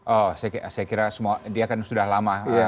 oh saya kira dia kan sudah lama